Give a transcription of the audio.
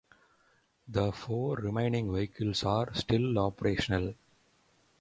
The four remaining vehicles are still operational.